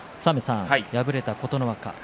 敗れた琴ノ若です。